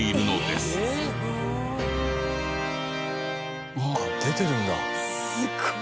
すごい。